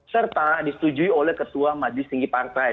serta disetujui oleh ketua majelis tinggi partai